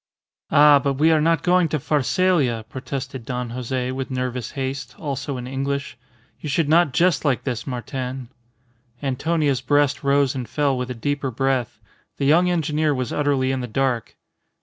"Ah! But we are not going to Pharsalia," protested Don Jose, with nervous haste, also in English. "You should not jest like this, Martin." Antonia's breast rose and fell with a deeper breath. The young engineer was utterly in the dark.